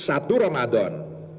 penetapan satu ramadan